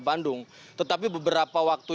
bandung tetapi beberapa waktu